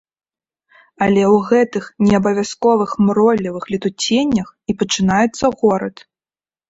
Але ў гэтых неабавязковых мройлівых летуценнях і пачынаецца горад.